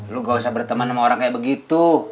lu gak usah berteman sama orang kayak begitu